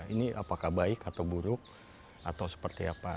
ini apakah baik atau buruk atau seperti apa